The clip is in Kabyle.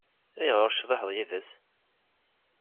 Ayɣer ur tecḍiḥeḍ yid-s?